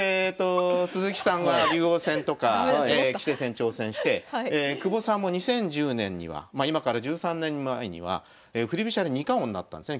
鈴木さんは竜王戦とか棋聖戦挑戦して久保さんも２０１０年にはま今から１３年前には振り飛車で二冠王になったんですね。